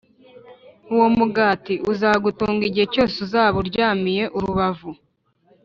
Uwo mugati uzagutunga igihe cyose uzaba uryamiye urubavu